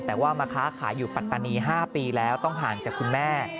แต่ว่ามาค้าขายอยู่ปัตตานี๕ปีแล้วต้องห่างจากคุณแม่